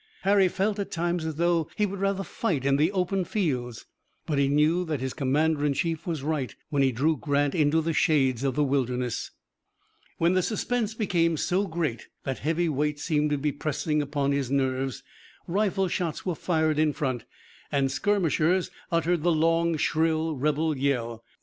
Harry felt at times as if he would rather fight in the open fields; but he knew that his commander in chief was right when he drew Grant into the shades of the Wilderness. When the suspense became so great that heavy weights seemed to be pressing upon his nerves, rifle shots were fired in front, and skirmishers uttered the long, shrill rebel yell.